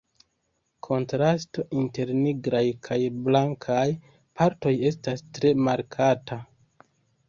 Kontrasto inter nigraj kaj blankaj partoj estas tre markata.